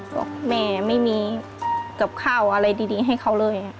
บอกแม่ไม่มีกับข้าวอะไรดีให้เขาเลย